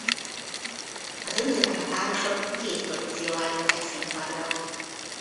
A döntőben a párosok két produkcióval léptek színpadra.